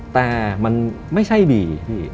แต่มันไม่ใช่บีพี่